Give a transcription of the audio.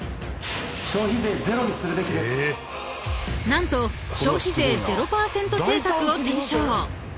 ［何と消費税０％政策を提唱］